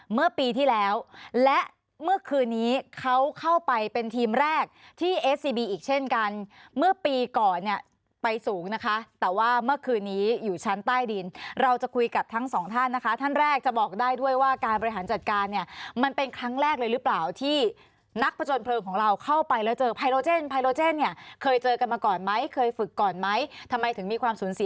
เมื่อปีที่แล้วและเมื่อคืนนี้เขาเข้าไปเป็นทีมแรกที่เอสซีบีอีกเช่นกันเมื่อปีก่อนเนี่ยไปสูงนะคะแต่ว่าเมื่อคืนนี้อยู่ชั้นใต้ดินเราจะคุยกับทั้งสองท่านนะคะท่านแรกจะบอกได้ด้วยว่าการบริหารจัดการเนี่ยมันเป็นครั้งแรกเลยหรือเปล่าที่นักผจญเพลิงของเราเข้าไปแล้วเจอไลนเจนเนี่ยเคยเจอกันมาก่อนไหมเคยฝึกก่อนไหมทำไมถึงมีความสูญเสีย